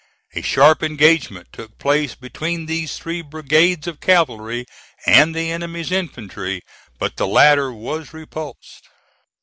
A sharp engagement took place between these three brigades of cavalry and the enemy's infantry, but the latter was repulsed.